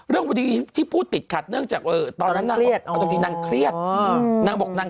ซึ่งตอนนั้นเรายังเครียดอยู่นะ